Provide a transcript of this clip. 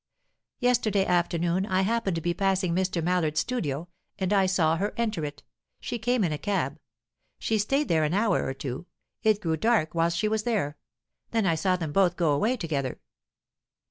"Yesterday afternoon I happened to be passing Mr. Mallard's studio, and I saw her enter it; she came in a cab. She stayed there an hour or two; it grew dark whilst she was there. Then I saw them both go away together."